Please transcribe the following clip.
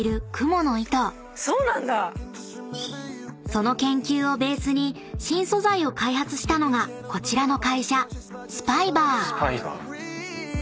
［その研究をベースに新素材を開発したのがこちらの会社］